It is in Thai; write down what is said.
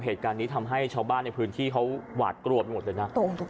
เหตุการณ์นี้ทำให้ชาวบ้านในพื้นที่เขาหวาดกลัวหมดเลยนะครับตรงตรงจริงจริง